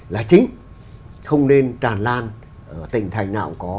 là chính không nên tràn lan tỉnh thành nào cũng có